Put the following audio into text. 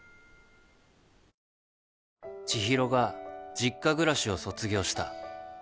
知博が実家暮らしを卒業した